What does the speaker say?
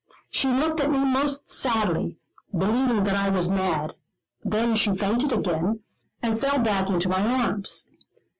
She looked at me most sadly, believing that I was mad; then she fainted again, and fell back into my arms.